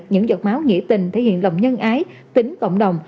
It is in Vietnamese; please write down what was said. những giọt máu nghĩa tình thể hiện lòng nhân ái tính cộng đồng